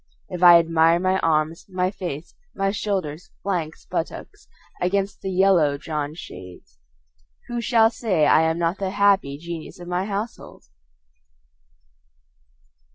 If I admire my arms, my face, my shoulders, flanks, buttocks against the yellow drawn shades, Who shall say I am not the happy genius of my household?